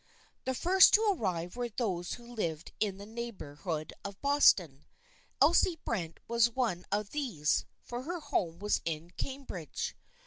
The first to arrive were those who lived in the neighborhood of Boston. Elsie Brent was one of these, for her home was in Cambridge.